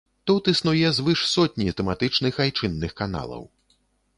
Тут існуе звыш сотні тэматычных айчынных каналаў.